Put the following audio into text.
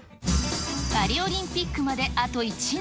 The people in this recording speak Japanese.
パリオリンピックまであと１年。